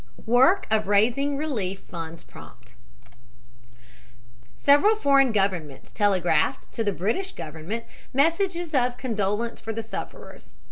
WORK OF RAISING RELIEF FUNDS PROMPT Several foreign governments telegraphed to the British Government messages of condolence for the sufferers.